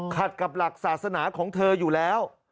ขัดกับหลักศาสนาของเธออยู่แล้ว